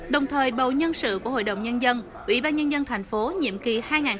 đồng thời bầu nhân sự của hội đồng nhân dân ubnd tp nhiệm kỳ hai nghìn một mươi sáu hai nghìn hai mươi một